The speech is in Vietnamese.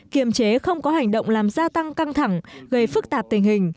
kiềm chế không có hành động làm gia tăng căng thẳng gây phức tạp tình hình